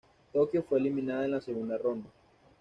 Tokio fue eliminada en la segunda ronda.